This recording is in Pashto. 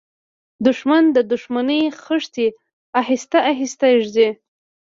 دښمن د دښمنۍ خښتې آهسته آهسته ږدي